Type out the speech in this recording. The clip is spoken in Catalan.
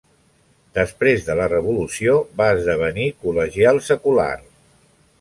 Després de la revolució va esdevenir col·legial secular.